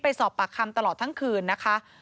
ไปสอบปากคำตลอดทั้งคืนนะคะ